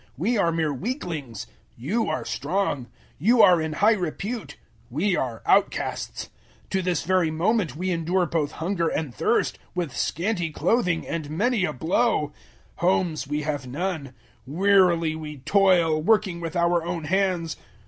We are mere weaklings: you are strong. You are in high repute: we are outcasts. 004:011 To this very moment we endure both hunger and thirst, with scanty clothing and many a blow. 004:012 Homes we have none. Wearily we toil, working with our own hands.